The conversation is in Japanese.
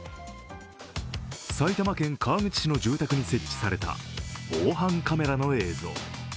埼玉県川口市の住宅に設置された防犯カメラの映像。